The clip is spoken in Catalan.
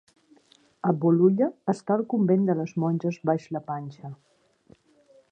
A Bolulla està el convent de les monges baix la panxa.